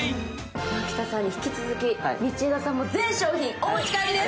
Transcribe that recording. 蒔田さんに引き続き、道枝さんも全商品お持ち帰りです。